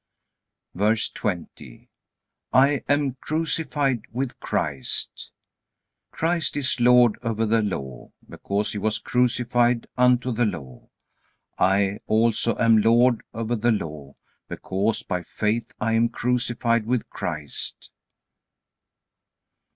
VERSE 20. I am crucified with Christ. Christ is Lord over the Law, because He was crucified unto the Law. I also am lord over the Law, because by faith I am crucified with Christ.